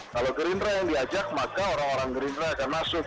kalau gerindra yang diajak maka orang orang gerindra akan masuk